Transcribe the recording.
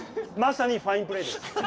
まさにファインプレーです。